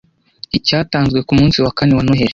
Icyatanzwe kumunsi wa kane wa Noheri